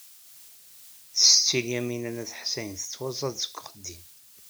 Setti Lyamina n At Ḥsayen tettwaẓẓeɛ-d seg uxeddim.